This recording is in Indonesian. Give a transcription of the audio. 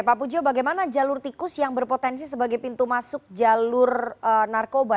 pak pujo bagaimana jalur tikus yang berpotensi sebagai pintu masuk jalur narkoba